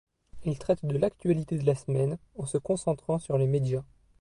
Il traite de l'actualité de la semaine, en se concentrant sur les médias.